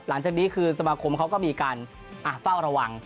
หลังจากนี้คือสมาคมเขาก็มีการเฝ้าระวัง